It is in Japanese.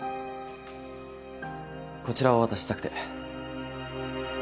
こちらをお渡ししたくて。